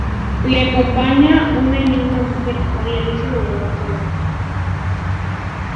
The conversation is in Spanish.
Lo acompaña una enigmática mujer, Maria Luisa de Austria.